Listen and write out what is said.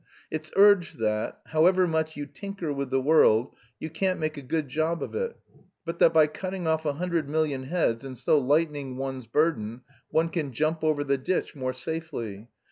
It's urged that, however much you tinker with the world, you can't make a good job of it, but that by cutting off a hundred million heads and so lightening one's burden, one can jump over the ditch more safely.